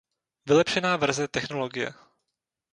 Vylepšená verze technologie.